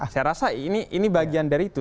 saya rasa ini bagian dari itu